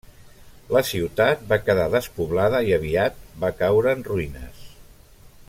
La ciutat va quedar despoblada i aviat va caure en ruïnes.